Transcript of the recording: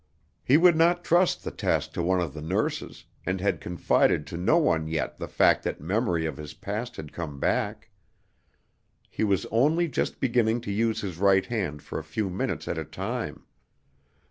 He would not trust the task to one of the nurses, and had confided to no one yet the fact that memory of his past had come back. He was only just beginning to use his right hand for a few minutes at a time.